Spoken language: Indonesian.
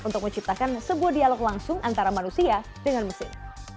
untuk menciptakan sebuah dialog langsung antara manusia dengan mesin